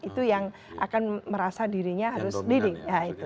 itu yang akan merasa dirinya harus leading